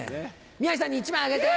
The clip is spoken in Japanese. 宮治さんに１枚あげて！